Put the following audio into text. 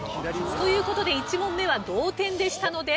という事で１問目は同点でしたので。